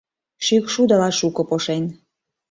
шӱкшудыла шуко пошен